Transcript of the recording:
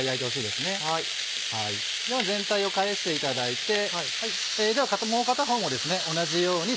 では全体を返していただいてもう片方も同じように。